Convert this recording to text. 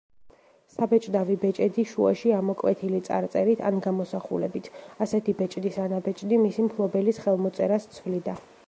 საბეჭდავი ბეჭედი შუაში ამოკვეთილი წარწერით ან გამოსახულებით; ასეთი ბეჭდის ანაბეჭდი მისი მფლობელის ხელმოწერას ცვლიდა.